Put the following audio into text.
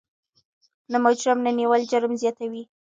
د مجرم نه نیول جرم زیاتوي.